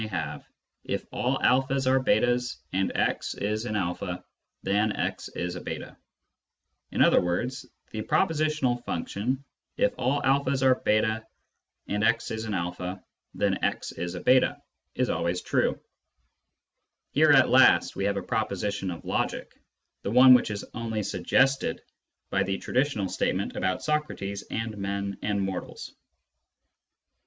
may have, if all a's are /?'s and x is an a, then x is a j3 "; in other words, " the propositional function ' if all a's are /3 and * is an a, then x is a j8 ' is always true." Here at last we have a proposition of logic — the one which is only suggested by the traditional statement about Socrates and men and mortals.